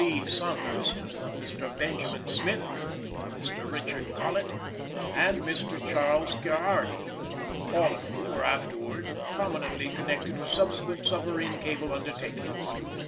C. Saunders, Mr. Benjamin Smith, Mr. Richard Collett, and Mr. Charles Gerhardi, all of whom were afterward prominently connected with subsequent submarine cable undertakings.